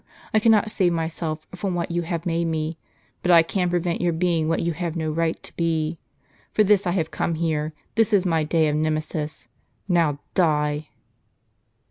I cannot save myself from what you have made me ; but I can prevent your being what you have no right to be. For this I have come here ; this is my day of Nemesis.* Now die!"